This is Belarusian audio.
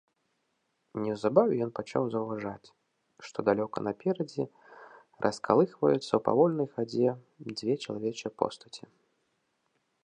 Неўзабаве ён пачаў заўважаць, што далёка наперадзе раскалыхваюцца ў павольнай хадзе дзве чалавечыя постаці.